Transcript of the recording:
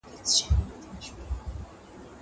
زه هره ورځ د کتابتون لپاره کار کوم.